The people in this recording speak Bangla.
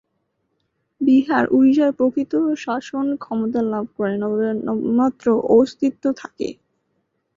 বিহার-ওড়িশার প্রকৃত শাসন ক্ষমতা লাভ করে, নবাবের নামমাত্র অস্তিত্ব থাকে।